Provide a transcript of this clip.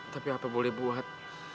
tapi apa boleh buat